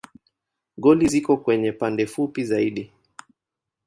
Goli ziko kwenye pande fupi zaidi.